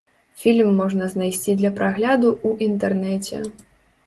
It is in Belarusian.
Фільм можна знайсці для прагляду ў інтэрнэце.